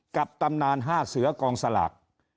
ตำนาน๕เสือกองสลาก